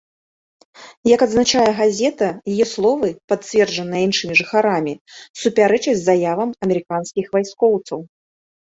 Як адзначае газета, яе словы, пацверджаныя іншымі жыхарамі, супярэчаць заявам амерыканскіх вайскоўцаў.